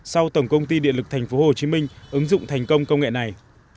sau tổng công ty điện lực tp hcm ứng dụng thành công công nghệ này